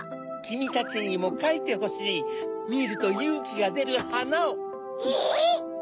きみたちにもかいてほしいみるとゆうきがでるはなを。え！